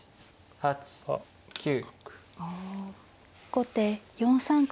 後手４三角。